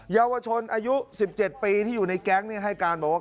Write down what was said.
เยาวชนอายุ๑๗ปีที่อยู่ในแก๊งให้การบอกว่า